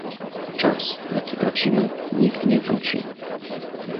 Czas, jaki tracimy, nigdy nie wróci